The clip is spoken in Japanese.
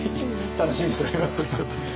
楽しみにしております。